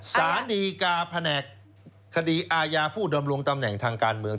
สารดีกาแผนกคดีอาญาผู้ดำรงตำแหน่งทางการเมือง